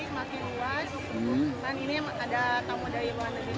menampilkan khas tasik asli tasik dan memperkenalkan budaya tasik